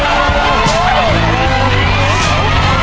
เออให้เบลอเออ